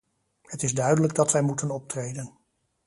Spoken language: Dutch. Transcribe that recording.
Het is duidelijk dat wij moeten optreden.